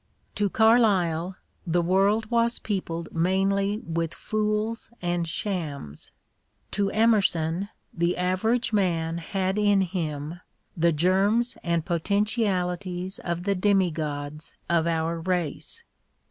To Carlyle the world was peopled mainly with. fools and shams ; to Emerson the average man had in him the germs and potentialities of the demigods of our race.